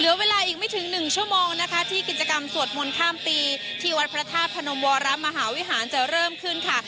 แล้วเวลาอีกไม่ถึง๑ชั่วโมงนะท่อที่กิจกรรมสวดหมดข้ามปีที่วรรภทราบภรรณวรรรภมมหาวิหารจะเริ่มขึ้นค่ะ